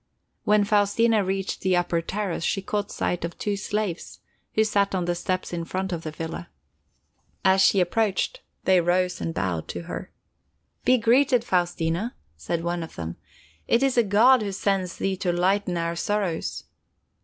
When Faustina reached the upper terrace, she caught sight of two slaves, who sat on the steps in front of the villa. As she approached, they rose and bowed to her. "Be greeted, Faustina!" said one of them. "It is a god who sends thee to lighten our sorrows."